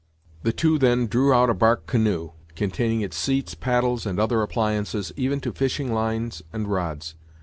The two then drew out a bark canoe, containing its seats, paddles, and other appliances, even to fishing lines and rods.